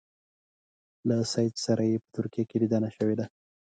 له سید سره یې په ترکیه کې لیدنه شوې ده.